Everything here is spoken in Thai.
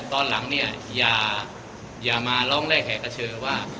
ตอนหลังเนี่ยอย่ามาร้องแรกแห่กระเชยว่า